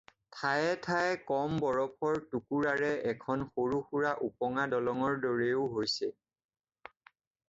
ঠায়ে ঠায়ে কম বৰফৰ টুকুৰাৰে এখন সৰু সুৰা ওপঙা দলংৰ দৰেও হৈছে